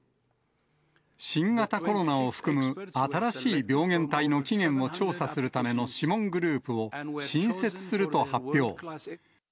新型コロナを含む新しい病原体の起源を調査するための諮問グループを、新設すると発表。